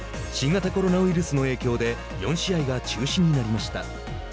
新型コロナウイルスの影響で４試合が中止になりました。